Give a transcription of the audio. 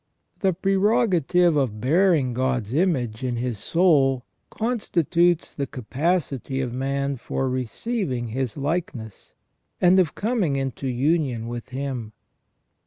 ON THE NATURE OF MAN. 15 The prerogative of bearing God's image in his soul constitutes the capacity of man for receiving His likeness, and of coming into union with Him.